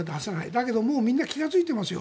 だけどみんな気がついてますよ。